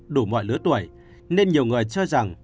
đủ mọi lứa tuổi nên nhiều người cho rằng